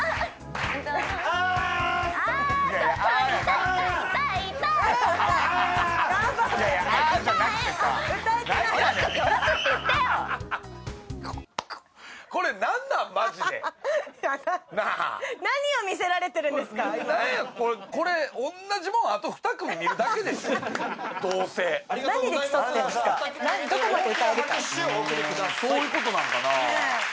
うーんそういう事なんかな？